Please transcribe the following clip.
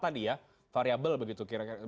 tadi ya variable begitu kira kira